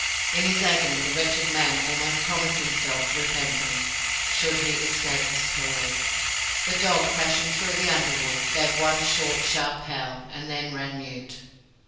In his agony, the wretched man almost promised himself repentance, should he escape this peril. The dog, crashing through the underwood, gave one short, sharp howl, and then ran mute.